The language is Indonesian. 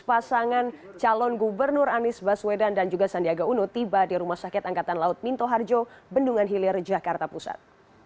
pasangan calon gubernur anies baswedan dan juga sandiaga uno tiba di rumah sakit angkatan laut minto harjo bendungan hilir jakarta pusat